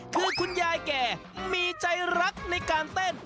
คือคุณยายแก่มีใจรักในการเต้น